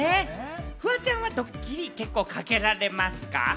フワちゃんはドッキリ結構かけられますか？